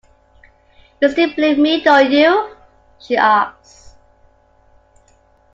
"You still believe in me, don't you?" she asks.